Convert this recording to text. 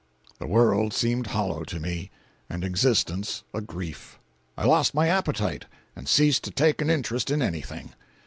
The world seemed hollow to me, and existence a grief. I lost my appetite, and ceased to take an interest in anything.